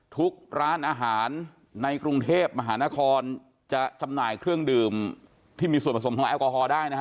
ทุกร้านอาหารในกรุงเทพมหานครจะจำหน่ายเครื่องดื่มที่มีส่วนผสมของแอลกอฮอลได้นะฮะ